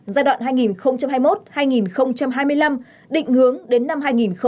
giai đoạn hai nghìn hai mươi một hai nghìn hai mươi năm định hướng đến năm hai nghìn ba mươi